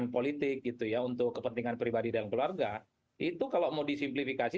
politik gitu ya untuk kepentingan pribadi dan keluarga itu kalau mau disimplifikasi